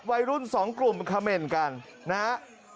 วัยรุ่น๒กลุ่มคำเมนต์กันนะครับ